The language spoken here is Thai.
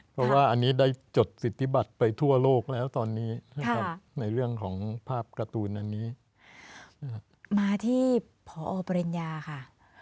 เพราะว่าอันนี้ได้จดสิทธิบัตรไปทั่วโลกแล้วตอนนี้นะครับในเรื่องของภาพการ์ตูนอันนี้มาที่พอปริญญาค่ะ